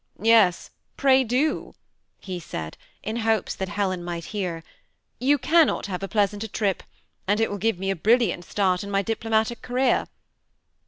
"Tes, pray do, he said, in hopes that Helen might hear ;you cannot have a pleasanter trip, and it will . give me a brilliant start in my diplomatic career."